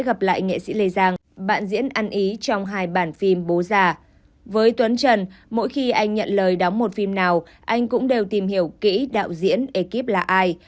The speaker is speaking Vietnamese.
với tuấn trần mỗi khi anh nhận lời đóng một phim nào anh cũng đều tìm hiểu kỹ đạo diễn ekip là ai